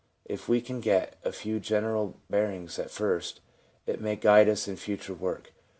If we can get a few general bearings at first, it may guide us in future work.